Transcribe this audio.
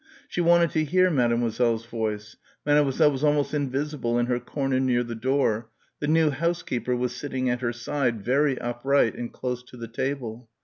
She wanted to hear Mademoiselle's voice; Mademoiselle was almost invisible in her corner near the door, the new housekeeper was sitting at her side very upright and close to the table.